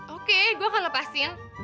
oke gue akan lepasin